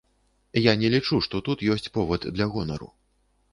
Я не лічу, што тут ёсць повад для гонару.